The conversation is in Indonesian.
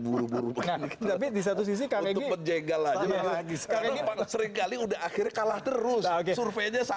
buruk buruk tapi di satu sisi kakek jenggal lagi sekali seringkali udah akhir kalah terus survei